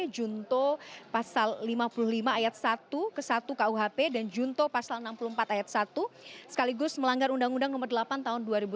junto pasal lima puluh lima ayat satu ke satu kuhp dan junto pasal enam puluh empat ayat satu sekaligus melanggar undang undang nomor delapan tahun dua ribu enam belas